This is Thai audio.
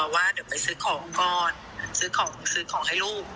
ว่าเดี๋ยวไปซื้อของก่อนซื้อของซื้อของให้ลูก